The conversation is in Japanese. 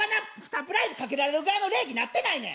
サプライズかけられる側の礼儀なってないねん！